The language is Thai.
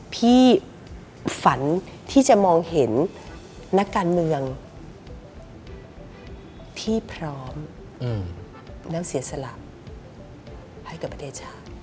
พี่ฝันที่จะมองเห็นนักการเมืองที่พร้อมแล้วเสียสละให้กับประเทศชาติ